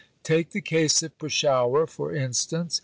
Take the case of Peshawur for instance.